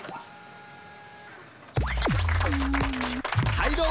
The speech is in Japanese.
はいども！